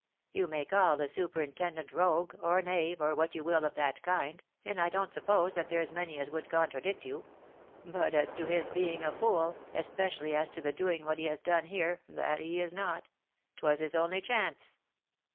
—" You may call the superintendent rogue, or knave, or what you will of that kind, and I don't suppose that there's many as would contradict you ; but, as to his being a fool, especially as to the doing what he has done here, that he is not. 'Twas his only chance."